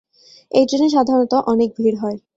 এই ট্রেনে সাধারণত অনেক ভীড় হয়।